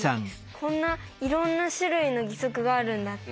こんないろんな種類の義足があるんだって